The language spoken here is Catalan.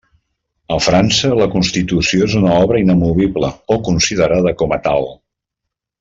A França, la constitució és una obra inamovible o considerada com a tal.